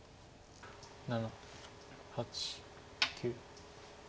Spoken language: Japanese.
７８９。